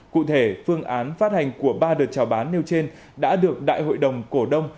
cụ thể phương án phát hành của ba đợt trào bán nêu trên đã được đại hội đồng cổ đông